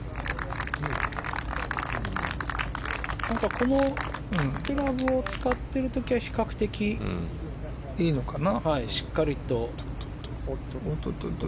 このクラブを使ってる時は比較的いいのかな。